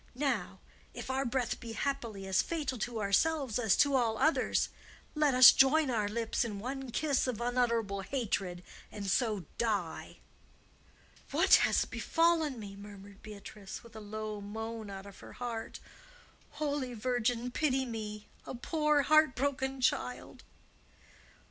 Now, if our breath be happily as fatal to ourselves as to all others, let us join our lips in one kiss of unutterable hatred, and so die!" "What has befallen me?" murmured Beatrice, with a low moan out of her heart. "Holy Virgin, pity me, a poor heart broken child!"